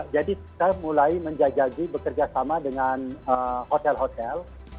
jadi saya mulai menjajahi bekerja sama dengan hotel hotel